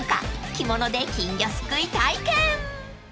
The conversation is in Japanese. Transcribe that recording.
［着物で金魚すくい体験］